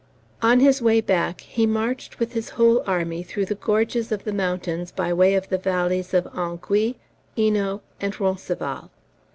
On his way back, he marched with his whole army through the gorges of the mountains by way of the valleys of Engui, Eno, and Roncesvalles.